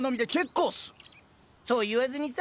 そう言わずにさ。